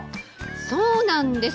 そうなんです。